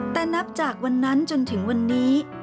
แต่นับจากวันนั้นจนถึงวันนี้